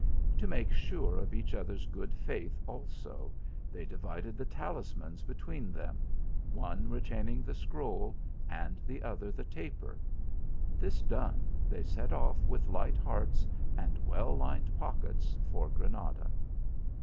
To make sure of each other s good faith, also, they divided the talismans between them, one retaining the scroll and the other the taper ; this done, they set off with light hearts and well lined pockets for Granada.